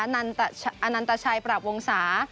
อันนันตชัยปราบวงศา